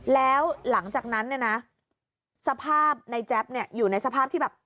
แล้วหลังจากนั้นสภาพในแจ๊บอยู่ในสภาพที่แบบ